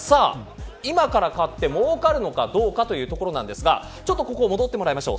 今から買ってもうかるのかどうかということなんですが戻ってもらいましょう。